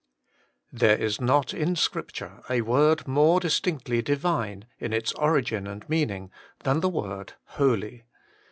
THERE is not in Scripture a word more distinctly Divine in its origin and meaning than the word holy.